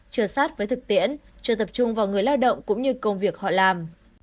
chờ sát với thực tiễn chờ tập trung vào người lao động cũng như công việc họ làm